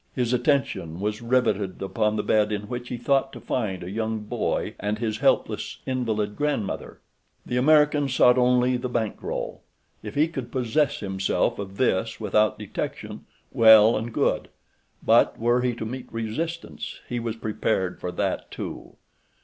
His attention was riveted upon the bed in which he thought to find a young boy and his helpless, invalid grandmother. The American sought only the bank roll. If he could possess himself of this without detection, well and good; but were he to meet resistance he was prepared for that too.